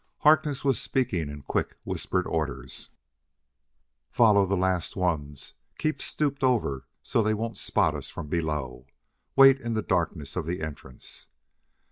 Harkness was speaking in quick, whispered orders: "Follow the last ones. Keep stooped over so they won't spot us from below. Wait in the darkness of the entrance."